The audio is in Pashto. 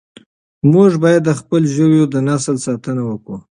موږ باید د خپلو ژویو د نسل ساتنه وکړو.